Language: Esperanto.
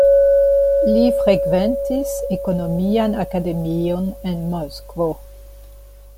Li frekventis ekonomian akademion en Moskvo.